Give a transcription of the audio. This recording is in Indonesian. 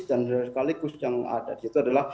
dan sekaligus yang ada di situ adalah